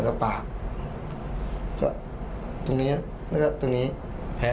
ห้ามกันครับผม